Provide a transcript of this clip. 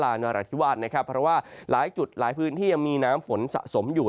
ในประหลายที่หวานนะครับเพราะว่าหลายจุดหลายพื้นที่มีน้ำฝนสะสมอยู่